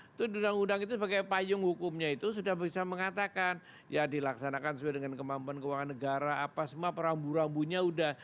itu di undang undang itu sebagai payung hukumnya itu sudah bisa mengatakan ya dilaksanakan sesuai dengan kemampuan keuangan negara apa semua perambu rambunya sudah